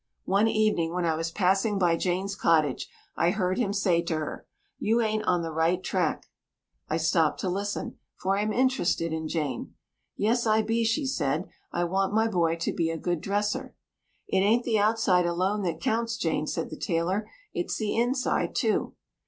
One evening when I was passing by Jane's cottage, I heard him say to her, "You ain't on the right track." I stopped to listen, for I am interested in Jane. "Yes I be," she said. "I want my boy to be a good dresser." "It ain't the outside alone that counts, Jane," said the tailor. "It's the inside, too."